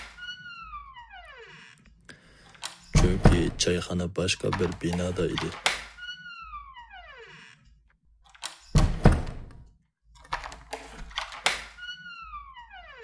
چۈنكى چايخانا باشقا بىر بىنادا ئىدى.